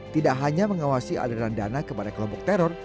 tidak hanya mengawasi aliran dana kepada kelompok teror